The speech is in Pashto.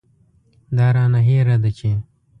دا رانه هېره ده چې.